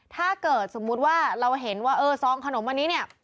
ถ้าเกิดสมมุติว่าเราเห็นว่าเออซองขนมอันนี้เนี่ย